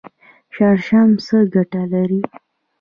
شړشم څه ګټه لري؟